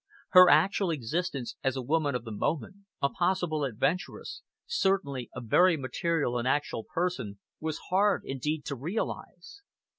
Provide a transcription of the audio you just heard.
Her actual existence as a woman of the moment, a possible adventuress, certainly a very material and actual person, was hard indeed to realize.